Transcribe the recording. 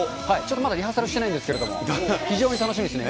まだリハーサルしてないんですけれども、非常に楽しみですね。